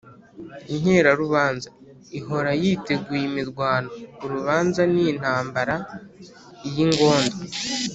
inkerarubanza: ihora yiteguye imirwano urubanza ni intambaraiy’ingondo